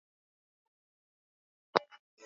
kutoka huko nchini tanzania